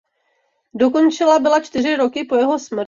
Dokončila byla čtyři roky po jeho smrti.